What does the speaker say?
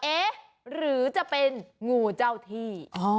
เอ๊ะหรือจะเป็นงูเจ้าที่